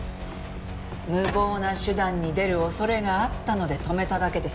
無謀な手段に出る恐れがあったので止めただけです。